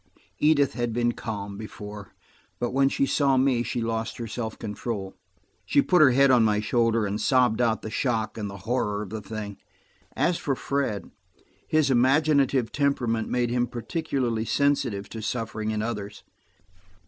Edith had been calm, before, but when she saw me she lost her self control. She put her head on my shoulder, and sobbed out the shock and the horror of the thing. As for Fred, his imaginative temperament made him particularly sensitive to suffering in others.